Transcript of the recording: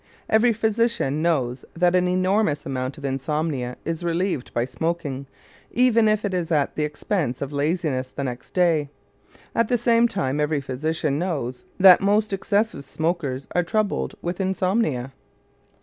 Every physician knows that an enormous amount of insomnia is relieved by smoking, even if it is at the expense of laziness the next day; at the same time every physician knows that most excessive smokers are troubled with insomnia.